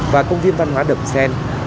và công viên văn hóa đậm xen